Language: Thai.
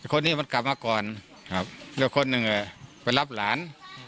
คนนี้มันกลับมาก่อนครับแล้วคนหนึ่งไปรับหลาน